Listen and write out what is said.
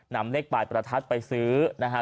นำเลขปลายประทัดไปซื้อนะฮะ